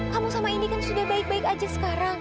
kamu sama ini kan sudah baik baik aja sekarang